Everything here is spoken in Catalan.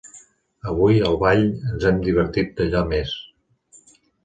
Avui, al ball, ens hem divertit d'allò més!